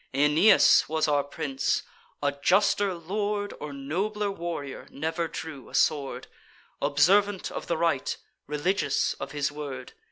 Aeneas was our prince: a juster lord, Or nobler warrior, never drew a sword; Observant of the right, religious of his word.